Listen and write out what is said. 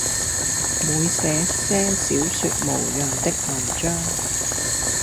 每寫些小說模樣的文章，